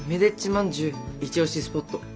まんじゅうイチ推しスポット。